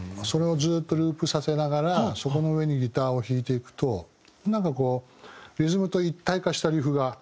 それをずっとループさせながらそこの上にギターを弾いていくとなんかこうリズムと一体化したリフが。